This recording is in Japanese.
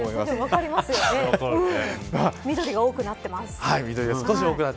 緑が多くなって。